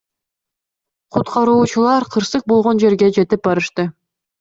Куткаруучулар кырсык болгон жерге жетип барышты.